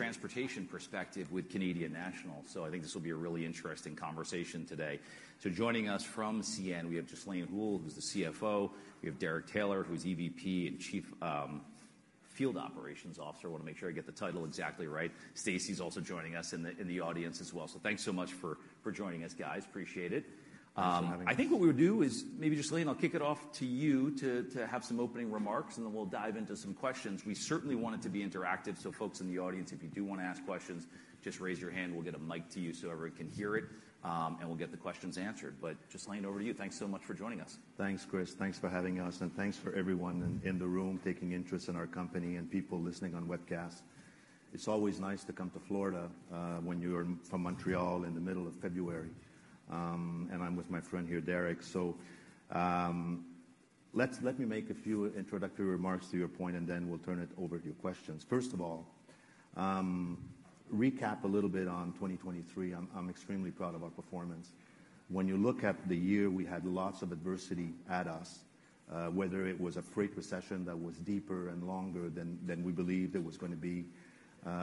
From a transportation perspective with Canadian National. So I think this will be a really interesting conversation today. So joining us from CN, we have Ghislain Houle, who's the CFO. We have Derek Taylor, who's EVP and Chief Field Operations Officer. I want to make sure I get the title exactly right. Tracy's also joining us in the audience as well. So thanks so much for joining us, guys. Appreciate it. Thanks for having us. I think what we'll do is maybe, Ghislain, I'll kick it off to you to have some opening remarks, and then we'll dive into some questions. We certainly want it to be interactive, so folks in the audience, if you do want to ask questions, just raise your hand. We'll get a mic to you so everyone can hear it, and we'll get the questions answered. But Ghislain, over to you. Thanks so much for joining us. Thanks, Chris. Thanks for having us, and thanks for everyone in the room taking interest in our company and people listening on webcast. It's always nice to come to Florida, when you are from Montreal in the middle of February. And I'm with my friend here, Derek. So, let me make a few introductory remarks to your point, and then we'll turn it over to your questions. First of all, recap a little bit on 2023. I'm extremely proud of our performance. When you look at the year, we had lots of adversity at us, whether it was a freight recession that was deeper and longer than we believed it was going to be.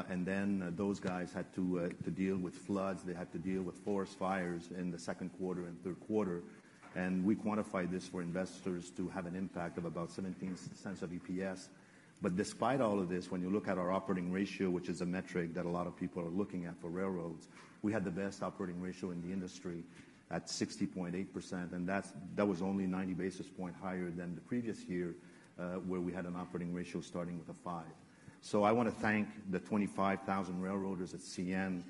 And then those guys had to to deal with floods, they had to deal with forest fires in the second quarter and third quarter, and we quantified this for investors to have an impact of about $0.17 of EPS. But despite all of this, when you look at our operating ratio, which is a metric that a lot of people are looking at for railroads, we had the best operating ratio in the industry at 60.8%, and that was only 90 basis point higher than the previous year, where we had an operating ratio starting with a five. So I want to thank the 25,000 railroaders at CN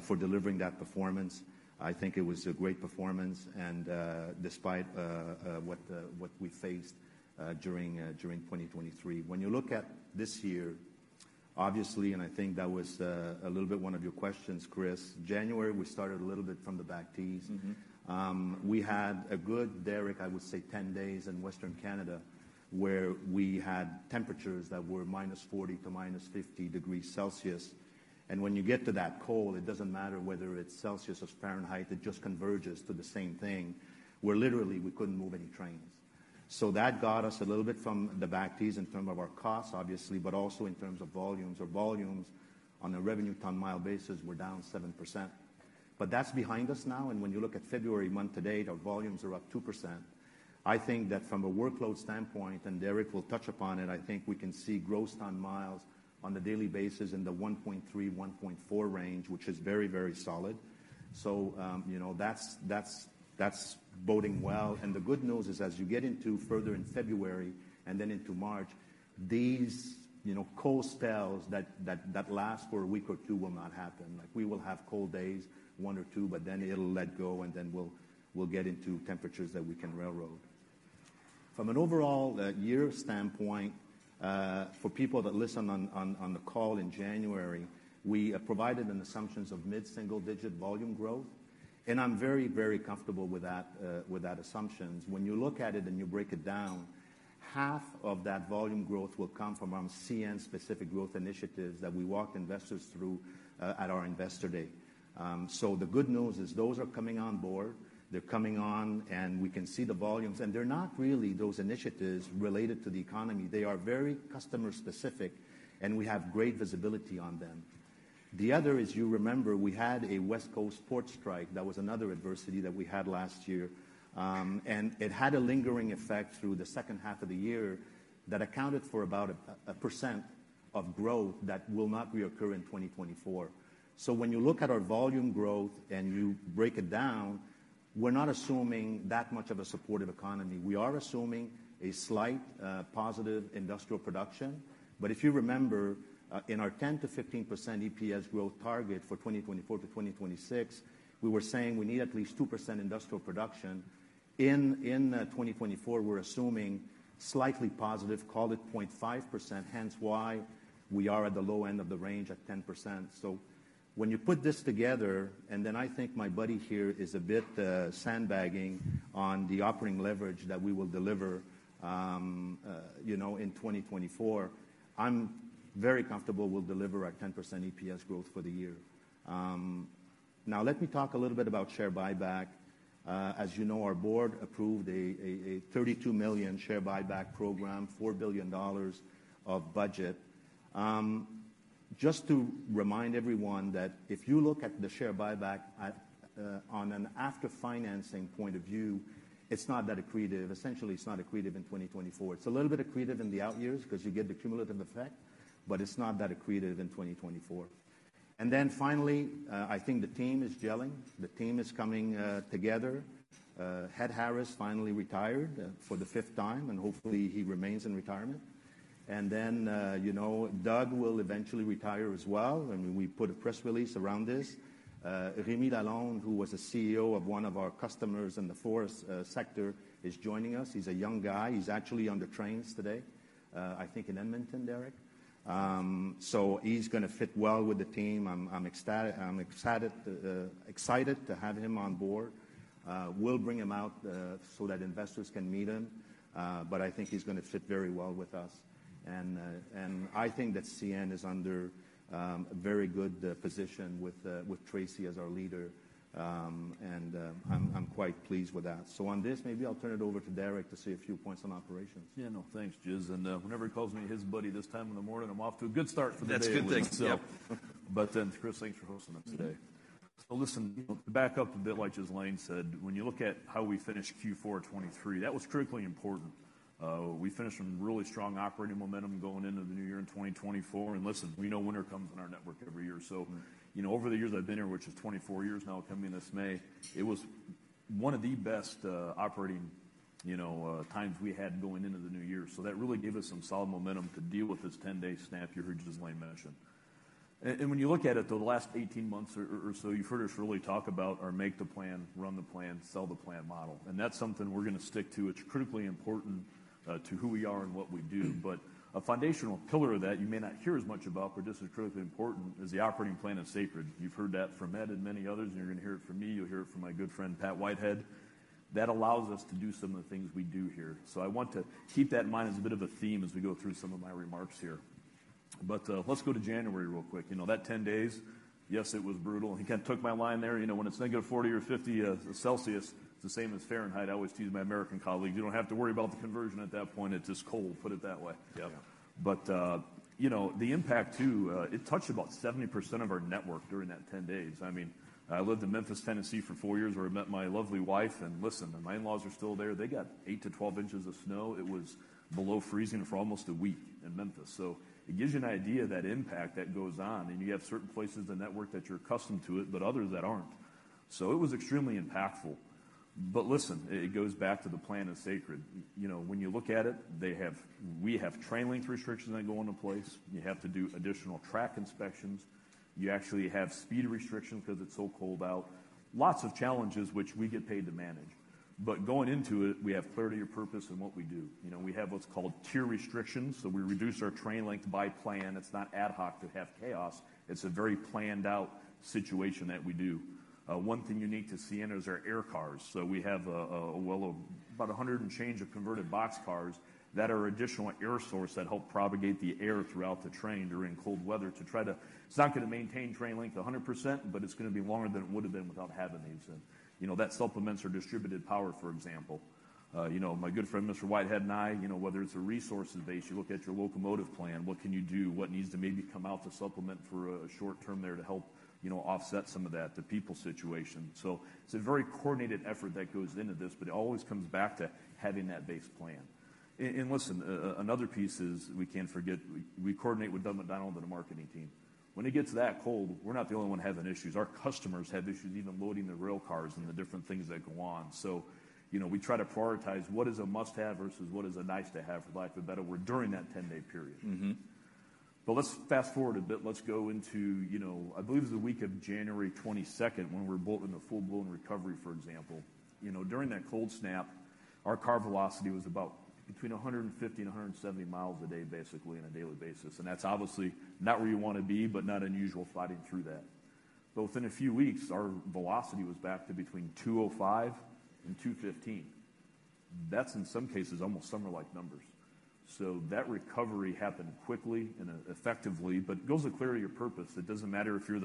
for delivering that performance. I think it was a great performance, and despite what we faced during 2023. When you look at this year, obviously, and I think that was, a little bit one of your questions, Chris. January, we started a little bit from the back tees. Mm-hmm. We had a good, Derek, I would say, 10 days in Western Canada, where we had temperatures that were -40 to -50 degrees Celsius. When you get to that cold, it doesn't matter whether it's Celsius or Fahrenheit, it just converges to the same thing, where literally we couldn't move any trains. So that got us a little bit from the back tees in terms of our costs, obviously, but also in terms of volumes. Our volumes on a revenue ton mile basis were down 7%. But that's behind us now, and when you look at February month to date, our volumes are up 2%. I think that from a workload standpoint, and Derek will touch upon it, I think we can see gross ton miles on a daily basis in the 1.3-1.4 range, which is very, very solid. So, you know, that's boding well. And the good news is, as you get into further in February and then into March, these, you know, cold spells that last for a week or two will not happen. Like, we will have cold days, one or two, but then it'll let go, and then we'll get into temperatures that we can railroad. From an overall year standpoint, for people that listened on the call in January, we provided an assumptions of mid-single-digit volume growth, and I'm very, very comfortable with that, with that assumptions. When you look at it and you break it down, half of that volume growth will come from, CN-specific growth initiatives that we walked investors through, at our Investor Day. So the good news is those are coming on board. They're coming on, and we can see the volumes, and they're not really those initiatives related to the economy. They are very customer specific, and we have great visibility on them. The other is, you remember, we had a West Coast port strike. That was another adversity that we had last year. And it had a lingering effect through the second half of the year that accounted for about 1% of growth that will not reoccur in 2024. So when you look at our volume growth and you break it down, we're not assuming that much of a supportive economy. We are assuming a slight positive industrial production. But if you remember, in our 10%-15% EPS growth target for 2024 to 2026, we were saying we need at least 2% industrial production. In 2024, we're assuming slightly positive, call it 0.5%, hence why we are at the low end of the range at 10%. So when you put this together, and then I think my buddy here is a bit sandbagging on the operating leverage that we will deliver, you know, in 2024. I'm very comfortable we'll deliver at 10% EPS growth for the year. Now let me talk a little bit about share buyback. As you know, our board approved a 32 million share buyback program, 4 billion dollars of budget. Just to remind everyone that if you look at the share buyback at, on an after-financing point of view, it's not that accretive. Essentially, it's not accretive in 2024. It's a little bit accretive in the out years because you get the cumulative effect, but it's not that accretive in 2024. Then finally, I think the team is gelling. The team is coming together. Ed Harris finally retired for the fifth time, and hopefully, he remains in retirement. And then, you know, Doug will eventually retire as well, and we put a press release around this. Remi Lalonde, who was a CEO of one of our customers in the forest sector, is joining us. He's a young guy. He's actually on the trains today, I think in Edmonton, Derek. So he's gonna fit well with the team. I'm excited, excited to have him on board. We'll bring him out so that investors can meet him, but I think he's gonna fit very well with us. And I think that CN is under a very good position with Tracy as our leader, and I'm quite pleased with that. So on this, maybe I'll turn it over to Derek to say a few points on operations. Yeah, no, thanks, Ghislain, and whenever he calls me his buddy this time in the morning, I'm off to a good start for the day. That's a good thing. Yep. Chris, thanks for hosting us today.... So listen, you know, to back up a bit, like Ghislain Houle said, when you look at how we finished Q4 2023, that was critically important. We finished some really strong operating momentum going into the new year in 2024. And listen, we know winter comes in our network every year. So, you know, over the years I've been here, which is 24 years now, coming this May, it was one of the best operating, you know, times we had going into the new year. So that really gave us some solid momentum to deal with this 10-day snap you heard Ghislain Houle mention. And when you look at it, though, the last 18 months or so, you've heard us really talk about or make the plan, run the plan, sell the plan model, and that's something we're gonna stick to. It's critically important to who we are and what we do. But a foundational pillar of that you may not hear as much about, but just as critically important, is the operating plan is sacred. You've heard that from Ed and many others, and you're gonna hear it from me. You'll hear it from my good friend, Pat Whitehead. That allows us to do some of the things we do here. So I want to keep that in mind as a bit of a theme as we go through some of my remarks here. But, let's go to January real quick. You know, that 10 days, yes, it was brutal. He kind of took my line there. You know, when it's negative 40 or 50 degrees Celsius, it's the same as Fahrenheit. I always tease my American colleagues. You don't have to worry about the conversion at that point. It's just cold. Put it that way. Yeah. But you know, the impact, too, it touched about 70% of our network during that 10 days. I mean, I lived in Memphis, Tennessee, for 4 years, where I met my lovely wife. And listen, my in-laws are still there. They got 8-12 inches of snow. It was below freezing for almost a week in Memphis. So it gives you an idea of that impact that goes on. And you have certain places, the network, that you're accustomed to it, but others that aren't. So it was extremely impactful. But listen, it, it goes back to the plan is sacred. You know, when you look at it, they have, we have train length restrictions that go into place. You have to do additional track inspections. You actually have speed restrictions because it's so cold out. Lots of challenges which we get paid to manage. But going into it, we have clarity of purpose in what we do. You know, we have what's called tier restrictions, so we reduce our train length by plan. It's not ad hoc to have chaos. It's a very planned out situation that we do. One thing unique to CN is our air cars. So we have well, over about 100+ converted boxcars that are additional air source that help propagate the air throughout the train during cold weather to try to... It's not gonna maintain train length 100%, but it's gonna be longer than it would have been without having these in. You know, that supplements our distributed power, for example. You know, my good friend, Mr. Whitehead, and I, you know, whether it's a resources base, you look at your locomotive plan, what can you do? What needs to maybe come out to supplement for a short term there to help, you know, offset some of that, the people situation. So it's a very coordinated effort that goes into this, but it always comes back to having that base plan. And listen, another piece is we can't forget, we coordinate with Doug MacDonald and the marketing team. When it gets that cold, we're not the only one having issues. Our customers have issues, even loading the rail cars and the different things that go on. So, you know, we try to prioritize what is a must-have versus what is a nice-to-have, for lack of a better word, during that 10-day period. Mm-hmm. But let's fast-forward a bit. Let's go into, you know, I believe it's the week of January 22nd, when we're both in a full-blown recovery, for example. You know, during that cold snap, our car velocity was about between 150 and 170 miles a day, basically on a daily basis, and that's obviously not where you want to be, but not unusual fighting through that. But within a few weeks, our velocity was back to between 205 and 215. That's in some cases, almost summer-like numbers. So that recovery happened quickly and effectively, but goes to clear to your purpose. It doesn't matter if you're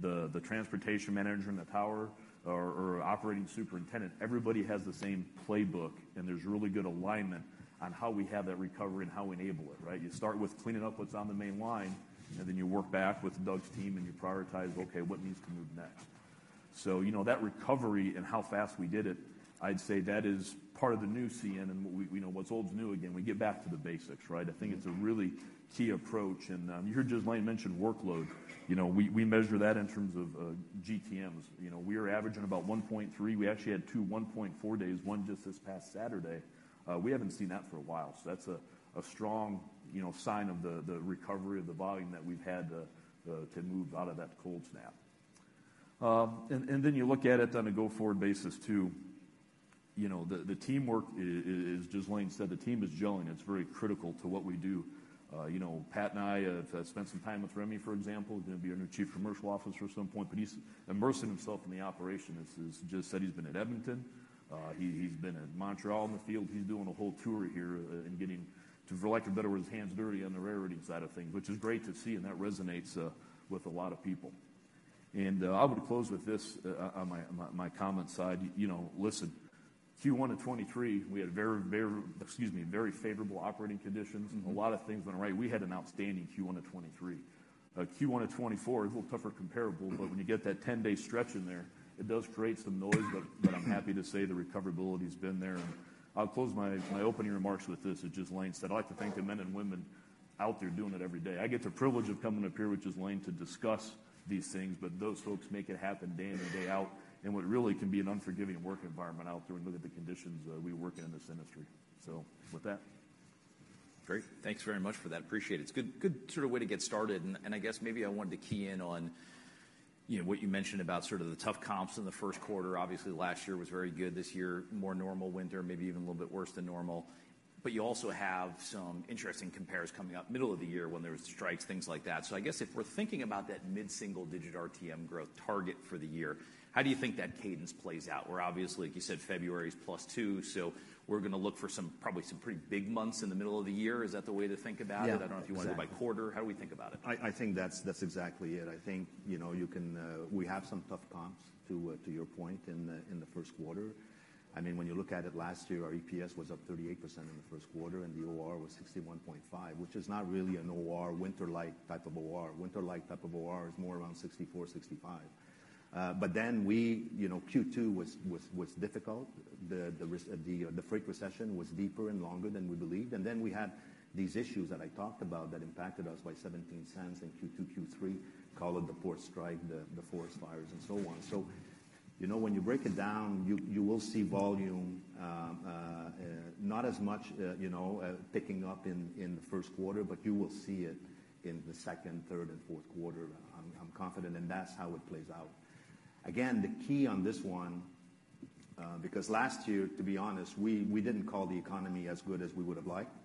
the transportation manager in the power or operating superintendent. Everybody has the same playbook, and there's really good alignment on how we have that recovery and how we enable it, right? You start with cleaning up what's on the main line, and then you work back with Doug's team, and you prioritize, okay, what needs to move next? So, you know, that recovery and how fast we did it, I'd say that is part of the new CN, and we, we know what's old is new again. We get back to the basics, right? Mm-hmm. I think it's a really key approach, and you heard Ghislain mention workload. You know, we measure that in terms of GTMs. You know, we are averaging about 1.3. We actually had two 1.4 days, one just this past Saturday. We haven't seen that for a while, so that's a strong, you know, sign of the recovery of the volume that we've had to move out of that cold snap. And then you look at it on a go-forward basis, too. You know, the teamwork is just like Ghislain said, the team is gelling. It's very critical to what we do. You know, Pat and I have spent some time with Remi, for example, gonna be our new Chief Commercial Officer at some point, but he's immersing himself in the operation. As just said, he's been at Edmonton. He's been at Montreal in the field. He's doing a whole tour here and getting, for lack of a better word, his hands dirty on the railway side of things, which is great to see, and that resonates with a lot of people. I would close with this, on my comment side. You know, listen, Q1 of 2023, we had very, very, excuse me, very favorable operating conditions. Mm-hmm. A lot of things went right. We had an outstanding Q1 of 2023. Q1 of 2024 is a little tougher comparable, but when you get that 10-day stretch in there, it does create some noise. But, but I'm happy to say the recoverability has been there, and I'll close my, my opening remarks with this, which is Ghislain Houle said: "I'd like to thank the men and women out there doing it every day." I get the privilege of coming up here, which is Ghislain Houle, to discuss these things, but those folks make it happen day in and day out, in what really can be an unforgiving work environment out there. We look at the conditions, we work in, in this industry. So with that. Great. Thanks very much for that. Appreciate it. It's a good sort of way to get started, and I guess maybe I wanted to key in on, you know, what you mentioned about sort of the tough comps in the first quarter. Obviously, last year was very good. This year, more normal winter, maybe even a little bit worse than normal. But you also have some interesting compares coming up middle of the year when there was strikes, things like that. So I guess if we're thinking about that mid-single-digit RTM growth target for the year, how do you think that cadence plays out, where obviously, like you said, February is +2%, so we're gonna look for some, probably some pretty big months in the middle of the year. Is that the way to think about it? Yeah. I don't know if you want to do it by quarter. How do we think about it? I think that's exactly it. I think, you know, you can, we have some tough comps.... to your point, in the first quarter. I mean, when you look at it, last year, our EPS was up 38% in the first quarter, and the OR was 61.5, which is not really an OR winter-like type of OR. Winter-like type of OR is more around 64, 65. But then we, you know, Q2 was difficult. The freight recession was deeper and longer than we believed, and then we had these issues that I talked about that impacted us by $0.17 in Q2, Q3, call it the port strike, the forest fires, and so on. So, you know, when you break it down, you will see volume not as much picking up in the first quarter, but you will see it in the second, third, and fourth quarter. I'm confident, and that's how it plays out. Again, the key on this one, because last year, to be honest, we didn't call the economy as good as we would've liked.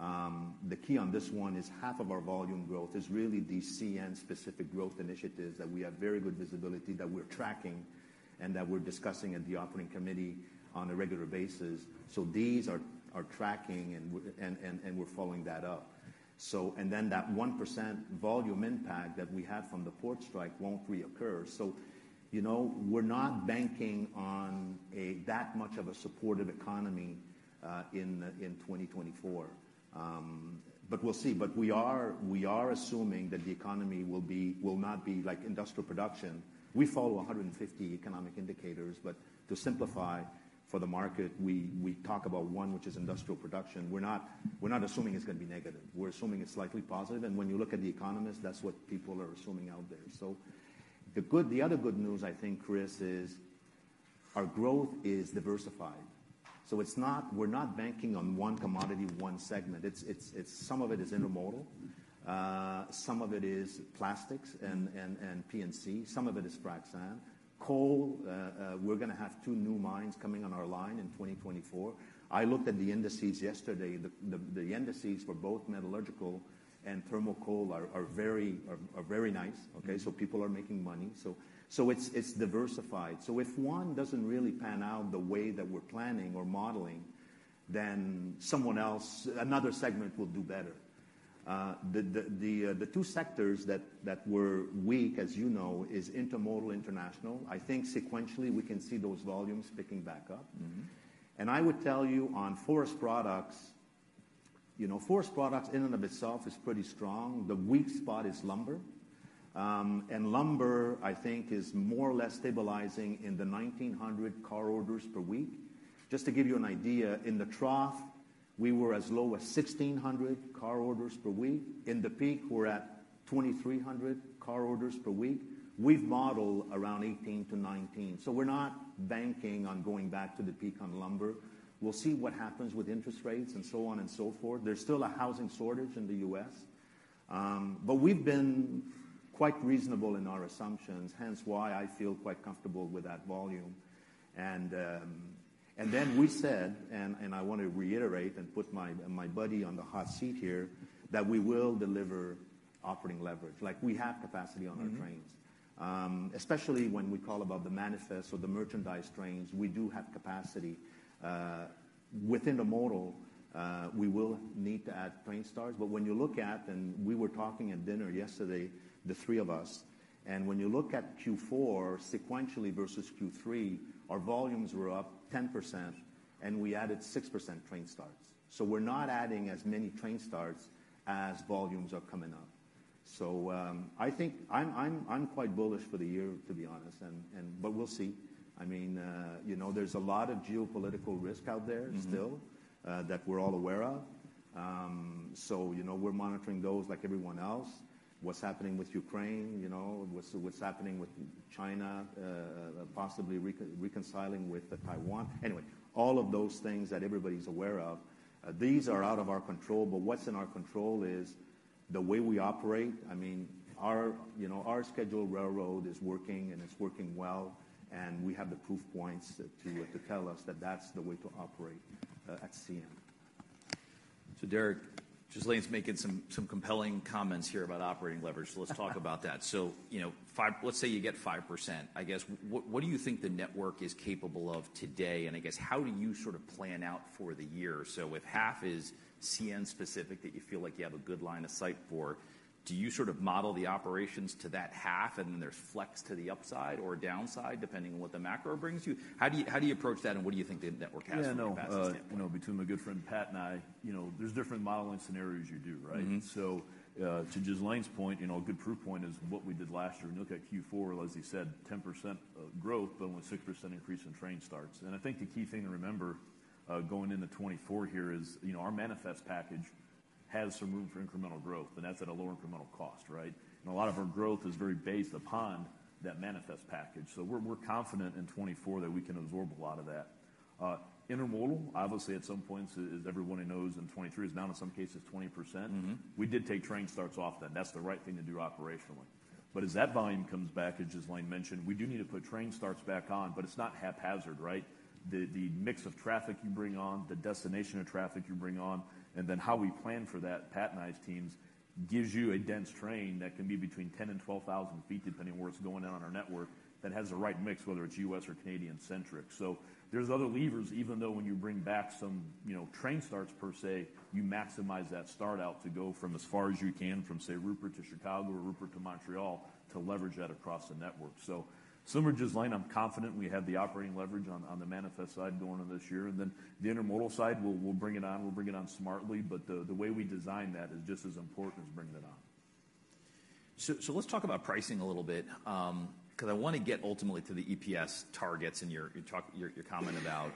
The key on this one is half of our volume growth is really the CN-specific growth initiatives that we have very good visibility, that we're tracking and that we're discussing at the operating committee on a regular basis. So these are tracking and we're following that up. So, and then that 1% volume impact that we had from the port strike won't reoccur. So, you know, we're not banking on a, that much of a supportive economy in 2024. But we'll see. But we are assuming that the economy will be, will not be like industrial production. We follow 150 economic indicators, but to simplify for the market, we talk about one, which is industrial production. We're not assuming it's gonna be negative. We're assuming it's slightly positive, and when you look at the economists, that's what people are assuming out there. So the good, the other good news, I think, Chris, is our growth is diversified, so it's not, we're not banking on one commodity, one segment. It's some of it is intermodal, some of it is plastics and P&C, some of it is frac sand. Coal, we're gonna have two new mines coming on our line in 2024. I looked at the indices yesterday. The indices for both metallurgical and thermal coal are very nice, okay? So people are making money. So it's diversified. So if one doesn't really pan out the way that we're planning or modeling, then someone else, another segment will do better. The two sectors that were weak, as you know, is intermodal international. I think sequentially we can see those volumes picking back up. Mm-hmm. I would tell you on forest products, you know, forest products in and of itself is pretty strong. The weak spot is lumber, and lumber, I think, is more or less stabilizing in the 1,900 car orders per week. Just to give you an idea, in the trough, we were as low as 1,600 car orders per week. In the peak, we're at 2,300 car orders per week. We've modeled around 18-19, so we're not banking on going back to the peak on lumber. We'll see what happens with interest rates and so on and so forth. There's still a housing shortage in the U.S., but we've been quite reasonable in our assumptions, hence why I feel quite comfortable with that volume. And then we said, I want to reiterate and put my buddy on the hot seat here, that we will deliver operating leverage. Like, we have capacity on our trains. Mm-hmm. Especially when we call about the manifest or the merchandise trains, we do have capacity. Within the model, we will need to add train starts. But when you look at, and we were talking at dinner yesterday, the three of us, and when you look at Q4 sequentially versus Q3, our volumes were up 10%, and we added 6% train starts. So we're not adding as many train starts as volumes are coming up. So, I think I'm quite bullish for the year, to be honest, and, but we'll see. I mean, you know, there's a lot of geopolitical risk out there- Mm-hmm. -still, that we're all aware of. So, you know, we're monitoring those like everyone else. What's happening with Ukraine, you know, what's happening with China, possibly reconciling with the Taiwan. Anyway, all of those things that everybody's aware of, these are out of our control, but what's in our control is the way we operate. I mean, our, you know, our scheduled railroad is working, and it's working well, and we have the proof points to tell us that that's the way to operate, at CN. So, Derek, Ghislain's making some, some compelling comments here about operating leverage. So let's talk about that. So, you know, five—let's say you get 5%. I guess, what, what do you think the network is capable of today, and I guess, how do you sort of plan out for the year? So if half is CN-specific, that you feel like you have a good line of sight for, do you sort of model the operations to that half, and then there's flex to the upside or downside, depending on what the macro brings you? How do you, how do you approach that, and what do you think the network has- Yeah, no... From a capacity standpoint? You know, between my good friend Pat and I, you know, there's different modeling scenarios you do, right? Mm-hmm. So, to Ghislain's point, you know, a good proof point is what we did last year. When you look at Q4, as he said, 10% of growth, but only 6% increase in train starts. And I think the key thing to remember, going into 2024 here is, you know, our manifest package has some room for incremental growth, and that's at a lower incremental cost, right? And a lot of our growth is very based upon that manifest package. So we're, we're confident in 2024 that we can absorb a lot of that. Intermodal, obviously at some points, as everybody knows, in 2023, is down, in some cases, 20%. Mm-hmm. We did take train starts off, then. That's the right thing to do operationally. But as that volume comes back, as Ghislain mentioned, we do need to put train starts back on, but it's not haphazard, right? The mix of traffic you bring on, the destination of traffic you bring on, and then how we plan for that, Pat and I's teams, gives you a dense train that can be between 10,000 and 12,000 feet, depending on where it's going out on our network, that has the right mix, whether it's U.S. or Canadian-centric. So there's other levers, even though when you bring back some, you know, train starts per se, you maximize that start out to go from as far as you can from, say, Rupert, to-... Chicago or Rupert to Montreal to leverage that across the network. So, similar to Ghislain, I'm confident we have the operating leverage on, on the manifest side going into this year, and then the intermodal side, we'll, we'll bring it on, we'll bring it on smartly, but the, the way we design that is just as important as bringing it on. So let's talk about pricing a little bit, 'cause I wanna get ultimately to the EPS targets and your talk, your comment about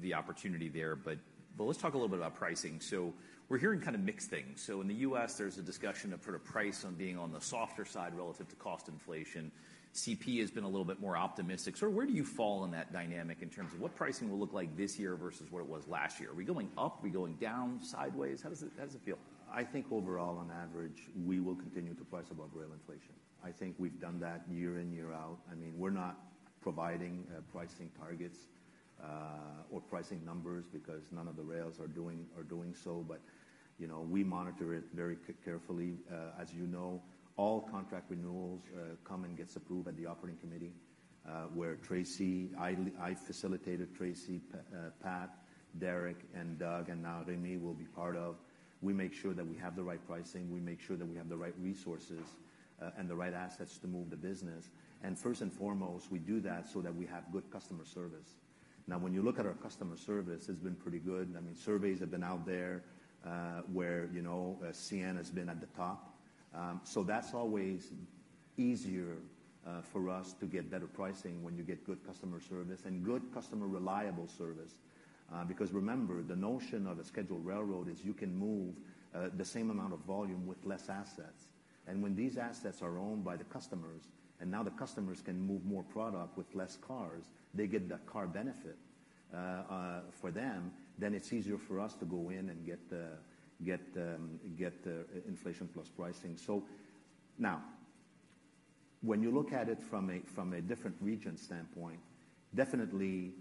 the opportunity there. But let's talk a little bit about pricing. So we're hearing kind of mixed things. So in the US, there's a discussion of sort of price on being on the softer side relative to cost inflation. CP has been a little bit more optimistic. So where do you fall in that dynamic in terms of what pricing will look like this year versus where it was last year? Are we going up? Are we going down, sideways? How does it feel? I think overall, on average, we will continue to price above rail inflation. I think we've done that year in, year out. I mean, we're not providing pricing targets or pricing numbers because none of the rails are doing so. But, you know, we monitor it very carefully. As you know, all contract renewals come and get approved at the operating committee, where Tracy, I facilitated Tracy, Pat, Derek, and Doug, and now Remi will be part of. We make sure that we have the right pricing. We make sure that we have the right resources and the right assets to move the business. And first and foremost, we do that so that we have good customer service. Now, when you look at our customer service, it's been pretty good. I mean, surveys have been out there, where, you know, CN has been at the top. So that's always easier, for us to get better pricing when you get good customer service and good customer reliable service. Because remember, the notion of a scheduled railroad is you can move, the same amount of volume with less assets. And when these assets are owned by the customers, and now the customers can move more product with less cars, they get the car benefit, for them, then it's easier for us to go in and get the, get the, get the inflation plus pricing. So now, when you look at it from a, from a different region standpoint, definitely,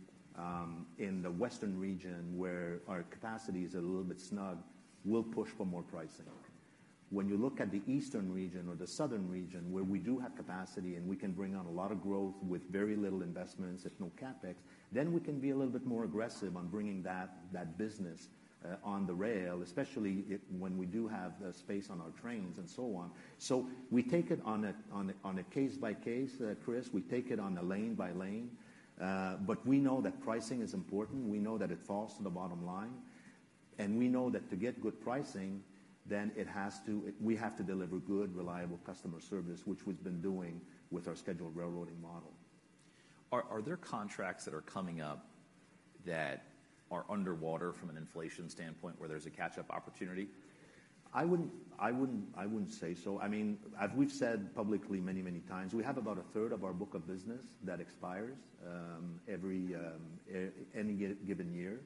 in the western region, where our capacity is a little bit snug, we'll push for more pricing. When you look at the eastern region or the southern region, where we do have capacity and we can bring on a lot of growth with very little investments, if no CapEx, then we can be a little bit more aggressive on bringing that business on the rail, especially when we do have the space on our trains and so on. So we take it on a case by case, Chris. We take it on a lane by lane. But we know that pricing is important. We know that it falls to the bottom line, and we know that to get good pricing, then it has to... We have to deliver good, reliable customer service, which we've been doing with our scheduled railroading model. Are there contracts that are coming up that are underwater from an inflation standpoint, where there's a catch-up opportunity? I wouldn't, I wouldn't, I wouldn't say so. I mean, as we've said publicly many, many times, we have about a third of our book of business that expires any given year.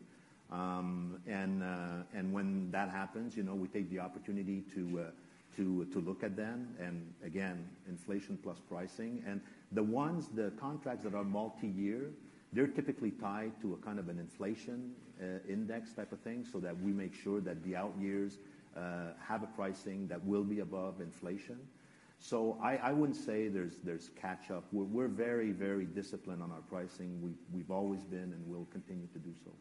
And when that happens, you know, we take the opportunity to look at them, and again, inflation plus pricing. And the ones, the contracts that are multi-year, they're typically tied to a kind of an inflation index type of thing, so that we make sure that the out years have a pricing that will be above inflation. So I, I wouldn't say there's, there's catch-up. We're, we're very, very disciplined on our pricing. We've, we've always been, and we'll continue to do so.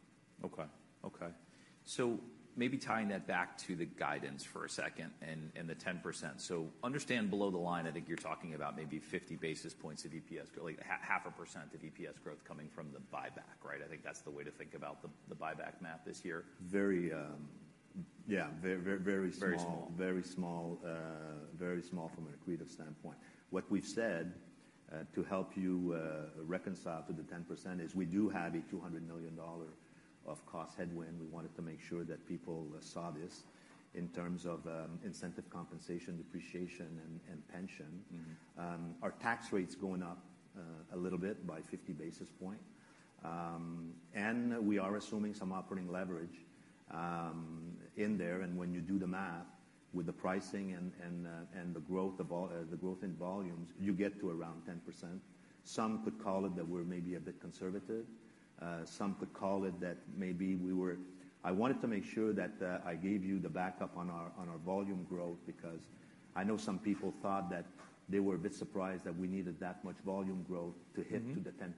Okay. Okay. So maybe tying that back to the guidance for a second and the 10%. So understand below the line, I think you're talking about maybe 50 basis points of EPS, or like half a percent of EPS growth coming from the buyback, right? I think that's the way to think about the buyback math this year. Very, yeah, very, very small. Very small. Very small, very small from an accretive standpoint. What we've said, to help you, reconcile to the 10% is we do have a $200 million of cost headwind. We wanted to make sure that people saw this in terms of, incentive compensation, depreciation, and, and pension. Mm-hmm. Our tax rate's going up a little bit by 50 basis points. We are assuming some operating leverage in there, and when you do the math with the pricing and the growth of all the growth in volumes, you get to around 10%. Some could call it that we're maybe a bit conservative. Some could call it that maybe we were. I wanted to make sure that I gave you the backup on our volume growth because I know some people thought that they were a bit surprised that we needed that much volume growth to hit- Mm-hmm... to the 10%.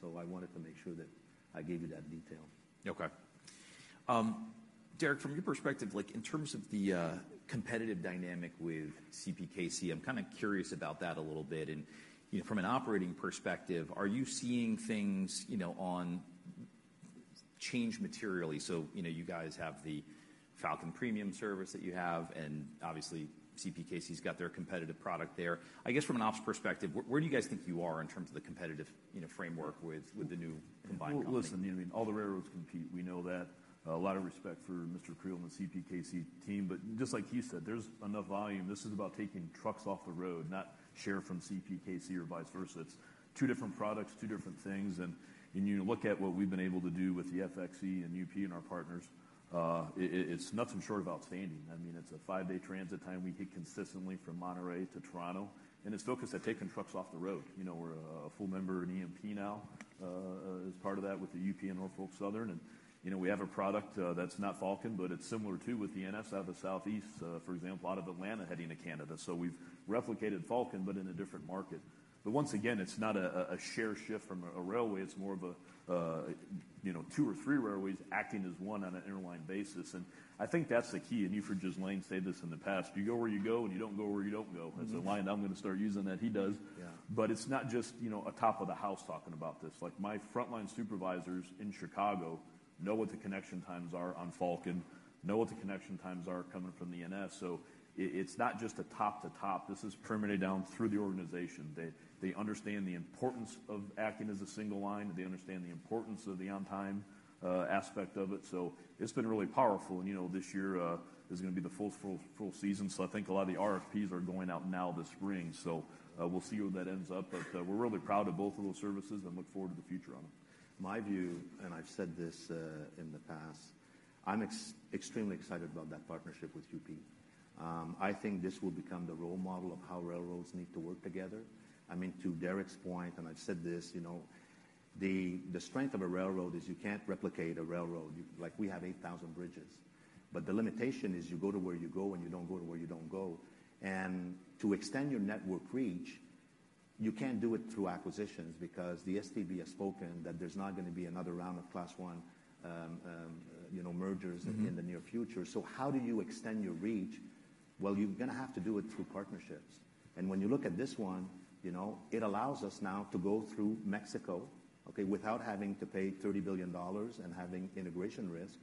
So I wanted to make sure that I gave you that detail. Okay. Derek, from your perspective, like in terms of the, competitive dynamic with CPKC, I'm kind of curious about that a little bit. You know, from an operating perspective, are you seeing things, you know, on change materially? You know, you guys have the Falcon Premium Service that you have, and obviously CPKC's got their competitive product there. I guess from an ops perspective, where, where do you guys think you are in terms of the competitive, you know, framework with, with the new combined company? Well, listen, you know, I mean, all the railroads compete. We know that. A lot of respect for Mr. Creel and the CPKC team, but just like he said, there's enough volume. This is about taking trucks off the road, not share from CPKC or vice versa. It's two different products, two different things, and when you look at what we've been able to do with the FXE and UP and our partners, it's nothing short of outstanding. I mean, it's a five-day transit time. We hit consistently from Monterrey to Toronto, and it's focused on taking trucks off the road. You know, we're a full member in EMP now, as part of that with the UP and Norfolk Southern, and, you know, we have a product that's not Falcon, but it's similar to with the NS out of the Southeast, for example, out of Atlanta, heading to Canada. So we've replicated Falcon, but in a different market. But once again, it's not a share shift from a railway. It's more of a, you know, two or three railways acting as one on an airline basis, and I think that's the key. And you've heard Ghislain say this in the past: "You go where you go, and you don't go where you don't go. Mm-hmm. That's a line I'm gonna start using that he does. Yeah. But it's not just, you know, a top of the house talking about this. Like, my frontline supervisors in Chicago know what the connection times are on Falcon, know what the connection times are coming from the NS. So it, it's not just a top to top. This is permeated down through the organization, that they understand the importance of acting as a single line. They understand the importance of the on-time aspect of it. So it's been really powerful. And, you know, this year is gonna be the full, full, full season. So I think a lot of the RFPs are going out now this spring, so we'll see where that ends up. But we're really proud of both of those services and look forward to the future on them. My view, and I've said this in the past. I'm extremely excited about that partnership with UP. I think this will become the role model of how railroads need to work together. I mean, to Derek's point, and I've said this, you know, the strength of a railroad is you can't replicate a railroad. Like, we have 8,000 bridges, but the limitation is you go to where you go, and you don't go to where you don't go. And to extend your network reach, you can't do it through acquisitions because the STB has spoken that there's not gonna be another round of Class I, you know, mergers. Mm-hmm in the near future. So how do you extend your reach? Well, you're gonna have to do it through partnerships, and when you look at this one, you know, it allows us now to go through Mexico, okay, without having to pay $30 billion and having integration risk.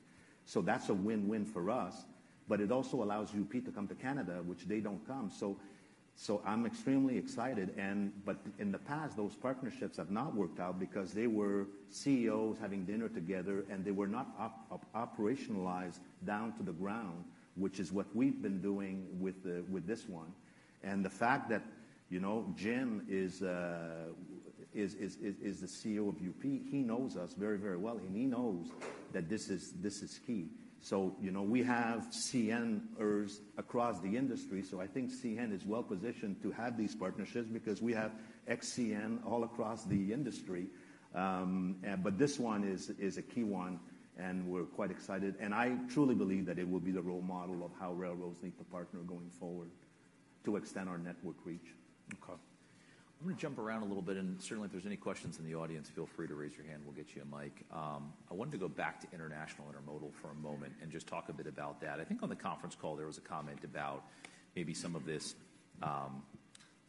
So that's a win-win for us. But it also allows UP to come to Canada, which they don't come. So I'm extremely excited and... But in the past, those partnerships have not worked out because they were CEOs having dinner together, and they were not operationalized down to the ground, which is what we've been doing with the, with this one. And the fact that, you know, Jim is the CEO of UP, he knows us very, very well, and he knows that this is, this is key. You know, we have CNers across the industry, so I think CN is well positioned to have these partnerships because we have ex-CN all across the industry. But this one is a key one, and we're quite excited, and I truly believe that it will be the role model of how railroads need to partner going forward to extend our network reach. Okay. I'm gonna jump around a little bit, and certainly, if there's any questions in the audience, feel free to raise your hand. We'll get you a mic. I wanted to go back to international intermodal for a moment and just talk a bit about that. I think on the conference call, there was a comment about maybe some of this.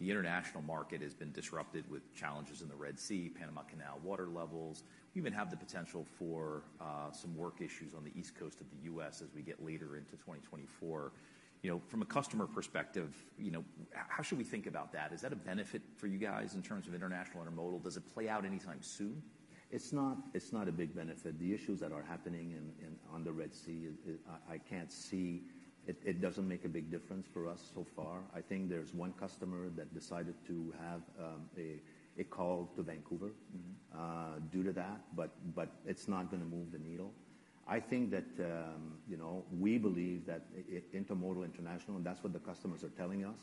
The international market has been disrupted with challenges in the Red Sea, Panama Canal water levels, even have the potential for some work issues on the East Coast of the U.S. as we get later into 2024. You know, from a customer perspective, you know, how should we think about that? Is that a benefit for you guys in terms of international intermodal? Does it play out anytime soon? It's not, it's not a big benefit. The issues that are happening in on the Red Sea, I can't see... It doesn't make a big difference for us so far. I think there's one customer that decided to have a call to Vancouver- Mm-hmm... due to that, but, but it's not gonna move the needle. I think that, you know, we believe that intermodal international, and that's what the customers are telling us,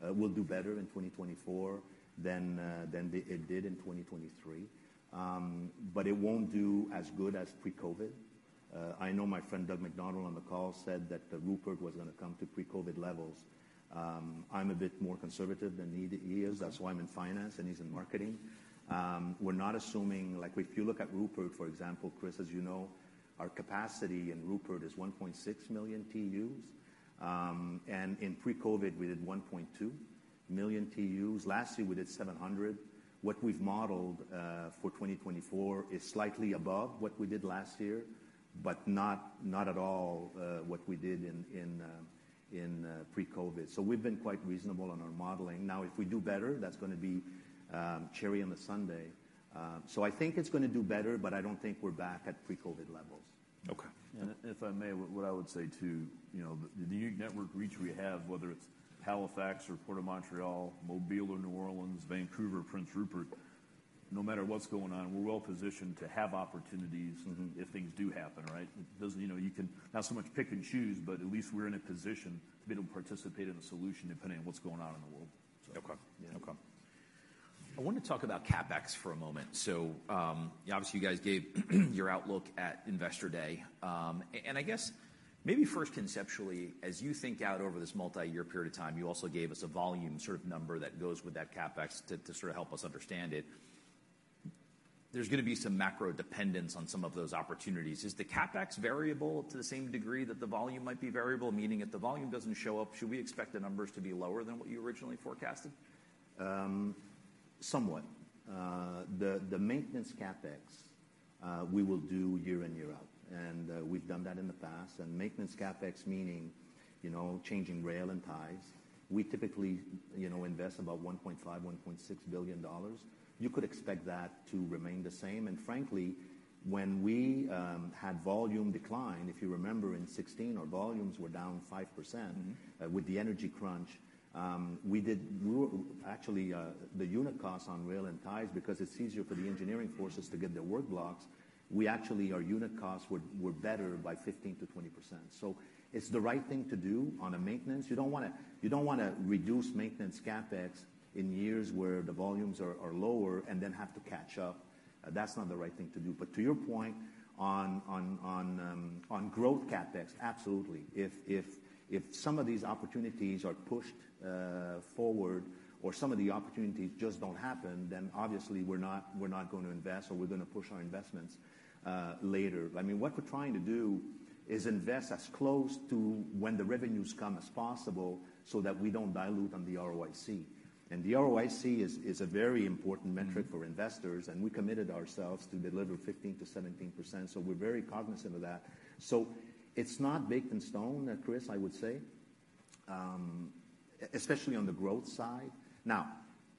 will do better in 2024 than, than they, it did in 2023. But it won't do as good as pre-COVID. I know my friend Doug MacDonald on the call said that Rupert was gonna come to pre-COVID levels. I'm a bit more conservative than he, he is. That's why I'm in finance, and he's in marketing. We're not assuming, like, if you look at Rupert, for example, Chris, as you know, our capacity in Rupert is 1.6 million TEUs, and in pre-COVID, we did 1.2 million TUs. Last year, we did 700. What we've modeled for 2024 is slightly above what we did last year, but not, not at all, what we did in pre-COVID. So we've been quite reasonable on our modeling. Now, if we do better, that's gonna be cherry on the sundae. So I think it's gonna do better, but I don't think we're back at pre-COVID levels. Okay. If I may, what I would say, too, you know, the unique network reach we have, whether it's Halifax or Port of Montreal, Mobile or New Orleans, Vancouver, Prince Rupert, no matter what's going on, we're well positioned to have opportunities- Mm-hmm... if things do happen, right? It doesn't. You know, you can, not so much pick and choose, but at least we're in a position to be able to participate in a solution, depending on what's going on in the world. Okay. Yeah. Okay. I want to talk about CapEx for a moment. So, obviously, you guys gave your outlook at Investor Day. And I guess, maybe first, conceptually, as you think out over this multi-year period of time, you also gave us a volume sort of number that goes with that CapEx to, to sort of help us understand it. There's gonna be some macro dependence on some of those opportunities. Is the CapEx variable to the same degree that the volume might be variable? Meaning, if the volume doesn't show up, should we expect the numbers to be lower than what you originally forecasted? Somewhat. The maintenance CapEx we will do year in, year out, and we've done that in the past. And maintenance CapEx meaning, you know, changing rail and ties. We typically, you know, invest about 1.5 billion-1.6 billion dollars. You could expect that to remain the same. And frankly, when we had volume decline, if you remember, in 2016, our volumes were down 5%- Mm-hmm... with the energy crunch. We did actually the unit costs on rail and ties, because it's easier for the engineering forces to get their work blocks. We actually, our unit costs were better by 15%-20%, so it's the right thing to do on a maintenance. You don't wanna, you don't wanna reduce maintenance CapEx in years where the volumes are lower and then have to catch up. That's not the right thing to do. But to your point on growth CapEx, absolutely. If some of these opportunities are pushed forward or some of the opportunities just don't happen, then obviously we're not gonna invest or we're gonna push our investments later. I mean, what we're trying to do is invest as close to when the revenues come as possible so that we don't dilute on the ROIC. The ROIC is a very important metric for investors- Mm... and we committed ourselves to deliver 15%-17%, so we're very cognizant of that. So it's not baked in stone, Chris, I would say, especially on the growth side. Now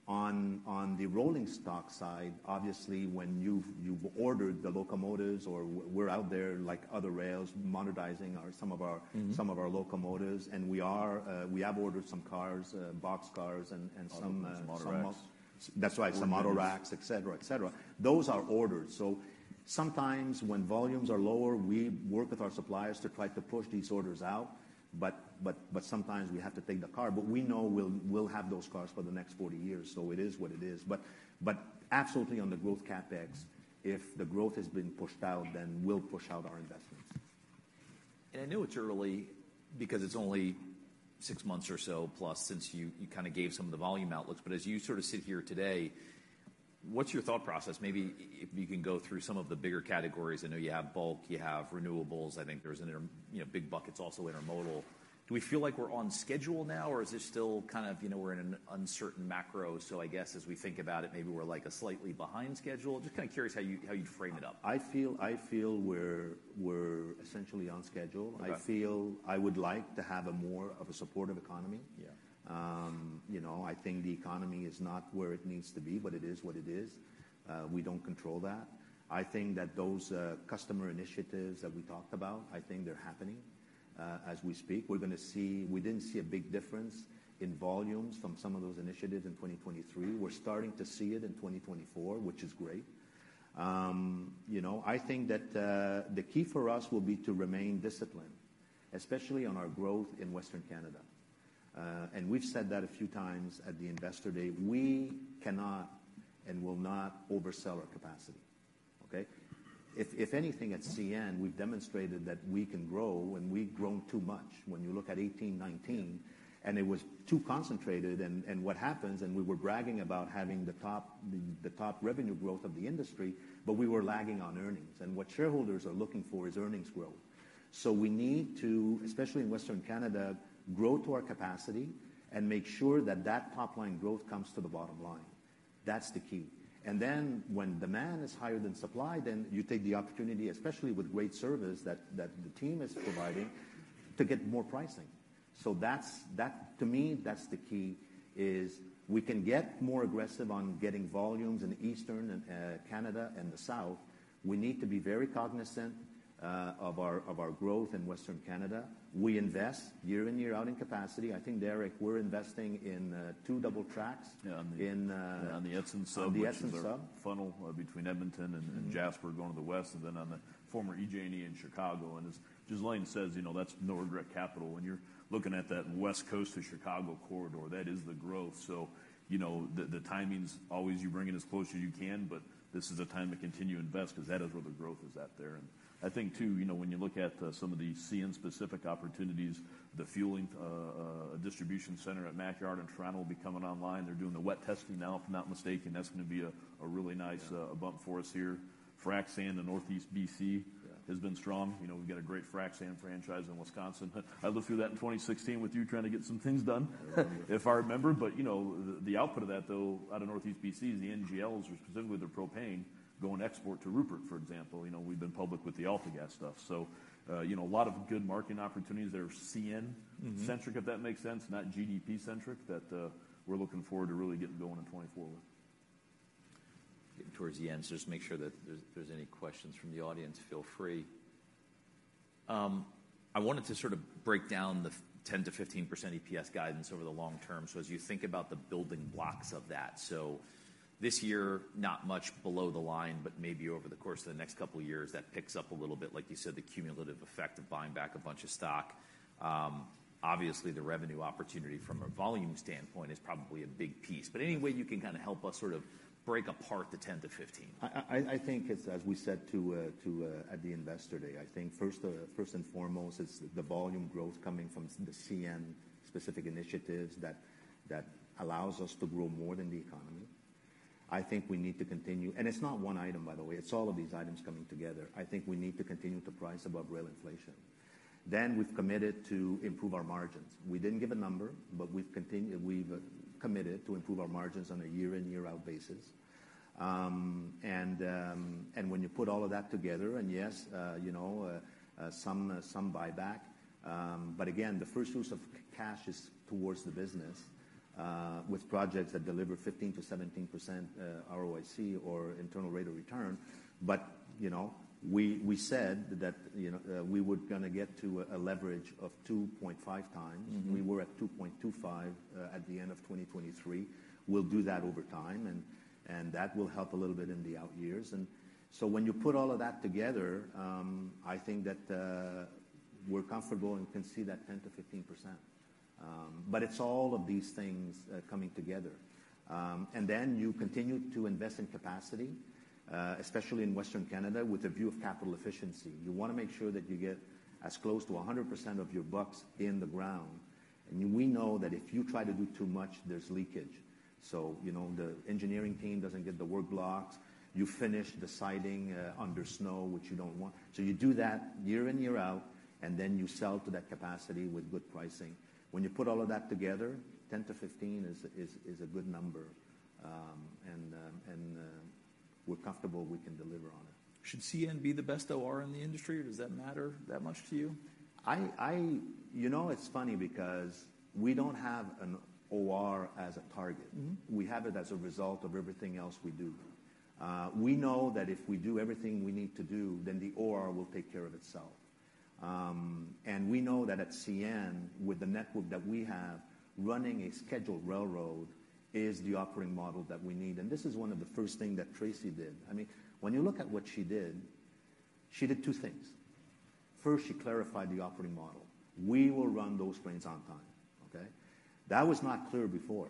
on the rolling stock side, obviously, when you've ordered the locomotives or we're out there, like other rails, modernizing our some of our- Mm-hmm. some of our locomotives, and we are, we have ordered some cars, boxcars and some. Some autoracks. That's right, some autoracks, et cetera, et cetera. Those are orders. So sometimes when volumes are lower, we work with our suppliers to try to push these orders out, but, but, but sometimes we have to take the car. But we know we'll, we'll have those cars for the next 40 years, so it is what it is. But, but absolutely, on the growth CapEx, if the growth has been pushed out, then we'll push out our investments. I know it's early because it's only six months or so plus since you, you kind of gave some of the volume outlooks, but as you sort of sit here today, what's your thought process? Maybe if you can go through some of the bigger categories. I know you have bulk, you have renewables. I think there's inter, you know, big buckets, also intermodal. Do we feel like we're on schedule now, or is this still kind of, you know, we're in an uncertain macro, so I guess as we think about it, maybe we're like a slightly behind schedule? Just kind of curious how you, how you frame it up. I feel we're essentially on schedule. Okay. I feel I would like to have a more of a supportive economy. Yeah. You know, I think the economy is not where it needs to be, but it is what it is. We don't control that. I think that those customer initiatives that we talked about, I think they're happening as we speak. We're gonna see—we didn't see a big difference in volumes from some of those initiatives in 2023. We're starting to see it in 2024, which is great. You know, I think that the key for us will be to remain disciplined, especially on our growth in Western Canada. And we've said that a few times at the Investor Day. We cannot and will not oversell our capacity, okay? If, if anything, at CN, we've demonstrated that we can grow, and we've grown too much. When you look at 2018 and 2019, it was too concentrated, and what happens, and we were bragging about having the top, the top revenue growth of the industry, but we were lagging on earnings. What shareholders are looking for is earnings growth. So we need to, especially in Western Canada, grow to our capacity and make sure that that top-line growth comes to the bottom line. That's the key. Then when demand is higher than supply, then you take the opportunity, especially with great service, that the team is providing, to get more pricing. So that's that, to me, that's the key, is we can get more aggressive on getting volumes in Eastern Canada and the South. We need to be very cognizant of our growth in Western Canada. We invest year in, year out in capacity. I think, Derek, we're investing in two double tracks- Yeah. -in, uh- On the Edson Sub- On the Edson Sub. which is our funnel between Edmonton and - Mm-hmm. -Jasper going to the west, and then on the former EJ&E in Chicago. And as Ghislain Houle says, you know, that's no-regret capital. When you're looking at that West Coast to Chicago corridor, that is the growth. So, you know, the, the timing's always you bring it as close as you can, but this is a time to continue to invest 'cause that is where the growth is at there. And I think, too, you know, when you look at, some of the CN-specific opportunities, the fueling, distribution center at Mac Yard in Toronto will be coming online. They're doing the wet testing now, if I'm not mistaken. That's gonna be a, a really nice- Yeah Bump for us here. Frac sand in Northeast BC. Yeah -has been strong. You know, we've got a great frac sand franchise in Wisconsin. I lived through that in 2016 with you, trying to get some things done, if I remember. But, you know, the output of that, though, out of Northeast BC is the NGLs, or specifically the propane, going export to Rupert, for example. You know, we've been public with the AltaGas stuff, so, you know, a lot of good market opportunities that are CN- Mm-hmm -centric, if that makes sense, not GDP-centric, that, we're looking forward to really getting going in 2024. Getting towards the end, so just make sure that if there's any questions from the audience, feel free. I wanted to sort of break down the 10%-15% EPS guidance over the long term, so as you think about the building blocks of that. So this year, not much below the line, but maybe over the course of the next couple of years, that picks up a little bit. Like you said, the cumulative effect of buying back a bunch of stock. Obviously, the revenue opportunity from a volume standpoint is probably a big piece. Yeah. Anyway, you can kind of help us sort of break apart the 10-15? I think it's, as we said to at the Investor Day, I think first and foremost, it's the volume growth coming from the CN-specific initiatives that allows us to grow more than the economy. I think we need to continue. And it's not one item, by the way. It's all of these items coming together. I think we need to continue to price above rail inflation. Then, we've committed to improve our margins. We didn't give a number, but we've committed to improve our margins on a year-in, year-out basis. And when you put all of that together and yes, you know, some buyback, but again, the first use of cash is towards the business, with projects that deliver 15%-17% ROIC or internal rate of return. You know, we said that, you know, we were gonna get to a leverage of 2.5 times. Mm-hmm. We were at 2.25 at the end of 2023. We'll do that over time, and that will help a little bit in the out years. When you put all of that together, I think that we're comfortable and can see that 10%-15%. It's all of these things coming together. You continue to invest in capacity, especially in Western Canada, with a view of capital efficiency. You wanna make sure that you get as close to 100% of your bucks in the ground, and we know that if you try to do too much, there's leakage. You know, the engineering team doesn't get the work blocks. You finish the siding under snow, which you don't want. So you do that year in, year out, and then you sell to that capacity with good pricing. When you put all of that together, 10-15 is a good number, and we're comfortable we can deliver on it. Should CN be the best OR in the industry, or does that matter that much to you? You know, it's funny because we don't have an OR as a target. Mm-hmm. We have it as a result of everything else we do. We know that if we do everything we need to do, then the OR will take care of itself. And we know that at CN, with the network that we have, running a scheduled railroad is the operating model that we need, and this is one of the first thing that Tracy did. I mean, when you look at what she did, she did two things. First, she clarified the operating model. We will run those trains on time, okay? That was not clear before.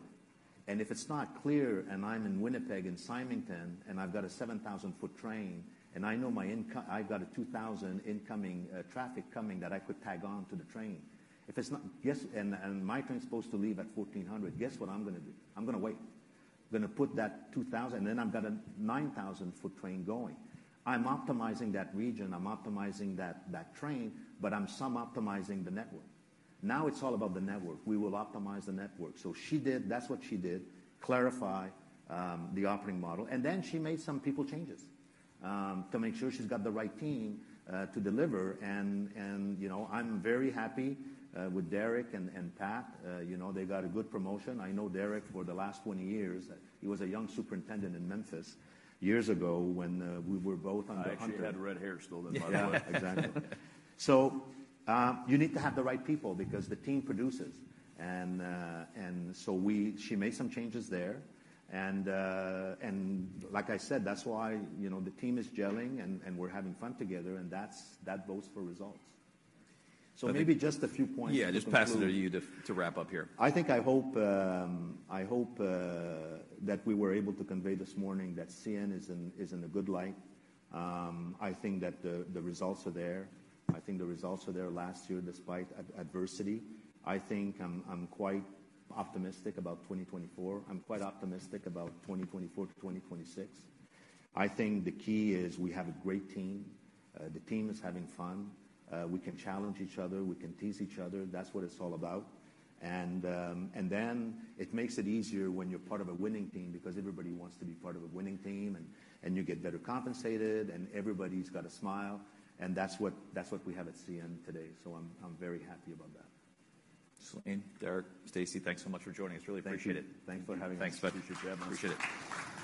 And if it's not clear, and I'm in Winnipeg, in Symington, and I've got a 7,000-foot train, and I know I've got a 2,000 incoming traffic coming that I could tag on to the train. If it's not... Yes, and my train's supposed to leave at 2:00 P.M., guess what I'm gonna do? I'm gonna wait. I'm gonna put that 2,000, then I've got a 9,000-foot train going. I'm optimizing that region, I'm optimizing that train, but I'm sub-optimizing the network. Now, it's all about the network. We will optimize the network. So she did... That's what she did, clarify the operating model, and then she made some people changes to make sure she's got the right team to deliver. And, you know, I'm very happy with Derek and Pat. You know, they got a good promotion. I know Derek for the last 20 years. He was a young superintendent in Memphis years ago when we were both on the Hunter- He had red hair still, then, by the way. Yeah, exactly. So, you need to have the right people because the team produces. And so she made some changes there, and like I said, that's why, you know, the team is gelling and we're having fun together, and that bodes for results. So maybe just a few points to conclude. Yeah, just pass it to you to wrap up here. I think I hope, I hope, that we were able to convey this morning that CN is in, is in a good light. I think that the, the results are there. I think the results were there last year, despite adversity. I think I'm, I'm quite optimistic about 2024. I'm quite optimistic about 2024 to 2026. I think the key is we have a great team. The team is having fun. We can challenge each other, we can tease each other. That's what it's all about. And then it makes it easier when you're part of a winning team because everybody wants to be part of a winning team, and you get better compensated, and everybody's got a smile, and that's what, that's what we have at CN today. So I'm very happy about that. Ghislain, Derek, Tracy, thanks so much for joining us. Really appreciate it. Thank you. Thanks for having us. Thanks, bud. Appreciate it.